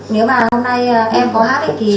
nếu mà hôm nay em có hát thì